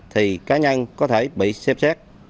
thì cá nhân có thể bị xem xét